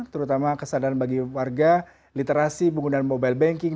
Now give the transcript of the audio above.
terutama kesadaran bagi warga literasi penggunaan mobile banking